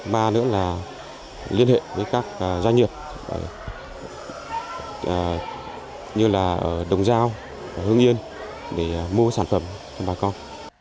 ba nữa là liên hệ với các doanh nghiệp như là ở đồng giao hương yên để mua sản phẩm cho bà con